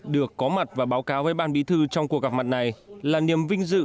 được có mặt và báo cáo với ban bí thư trong cuộc gặp mặt này là niềm vinh dự